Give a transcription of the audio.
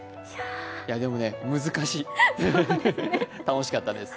でも難しい、楽しかったです。